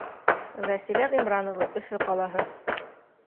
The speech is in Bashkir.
Вәсилә ҒИМРАНОВА, Өфө ҡалаһы: